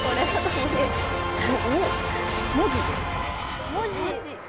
文字ですか？